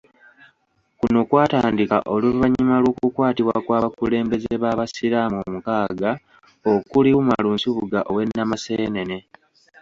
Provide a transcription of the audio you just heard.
Kuno kwatandika oluvanyuma lw'okukwatibwa kw'abakulembeze babasiraamu omukaaga okuli, Umaru Nsubuga ow'e Namaseenene.